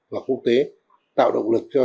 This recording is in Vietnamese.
và quốc tế tạo động lực cho